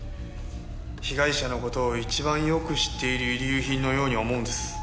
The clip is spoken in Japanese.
被害者の事を一番よく知っている遺留品のように思うんです。